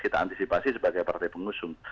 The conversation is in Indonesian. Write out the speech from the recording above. kita antisipasi sebagai partai pengusung